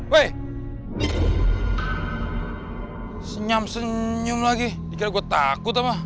woi senyam senyum lagi dikira gue takut mah